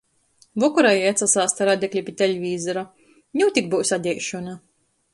Vokorā jei atsasāst ar adekli pi teļvīzera. Niu tik byus adeišona!